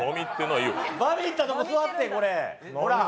バミったとこ座れって。